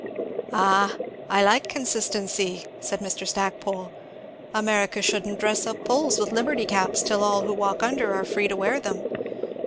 "Ah! I like consistency," said Mr. Stackpole. "America shouldn't dress up poles with liberty caps till all who walk under are free to wear them.